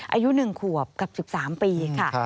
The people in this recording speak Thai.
อายุ๑ขวบกับ๑๓ปีค่ะ